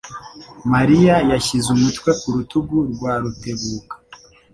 Mariya yashyize umutwe ku rutugu rwa Rutebuka.